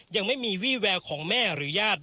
ยังไม่มีวี่แววของแม่หรือญาติ